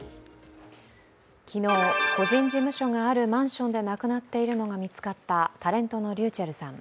昨日、個人事務所があるマンションで亡くなっているのが見つかったタレントのｒｙｕｃｈｅｌｌさん。